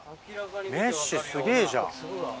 メッシ、すげえじゃん。